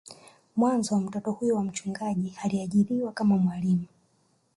Mwanzoni mtoto huyo wa mchungaji aliajiriwa kama mwalimu